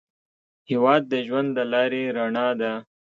هېواد د ژوند د لارې رڼا ده.